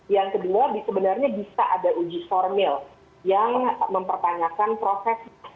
yang kedua sebenarnya bisa ada uji formil yang mempertanyakan prosesnya